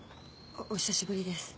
お久しぶりです。